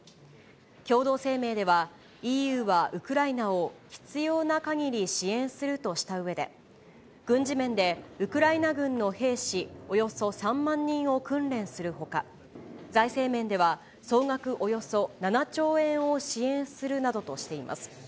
共同声明では、ＥＵはウクライナを必要なかぎり支援するとしたうえで、軍事面でウクライナ軍の兵士およそ３万人を訓練するほか、財政面では、総額およそ７兆円を支援するなどとしています。